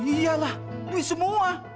iya lah duit semua